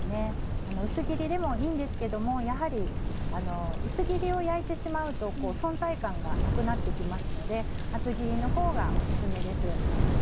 薄切りでもいいんですけどもやはり薄切りを焼いてしまうと存在感がなくなって来ますので厚切りのほうがオススメです。